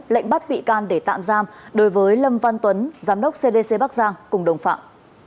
lệnh bắt bị can để tạm giam đối với lâm văn tuấn giám đốc cdc bắc giang cùng đồng phạm